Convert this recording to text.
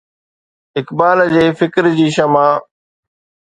اقبال جي فڪر جي شمع